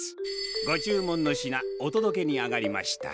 ご注文の品お届けに上がりました。